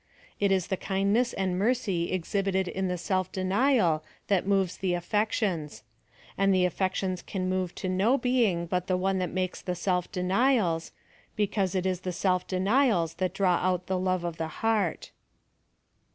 It is the kindness and mercy exhibited in the self denial that moves the affections ; and the affections can move to no being but the one that makes the self denials, because it is the self denials that draw out the love of the heart.